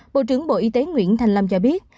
bộ trưởng bộ y tế nguyễn thành long cho biết